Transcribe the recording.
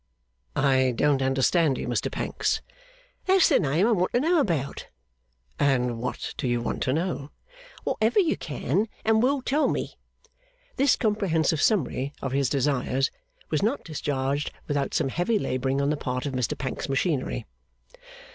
'I don't understand you, Mr Pancks.' 'That's the name that I want to know about.' 'And what do you want to know?' 'Whatever you can and will tell me.' This comprehensive summary of his desires was not discharged without some heavy labouring on the part of Mr Pancks's machinery.